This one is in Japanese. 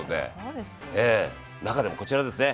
中でもこちらですね。